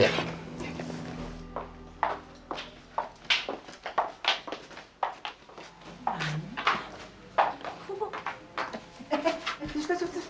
eh eh eh susah susah